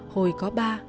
hồi có ba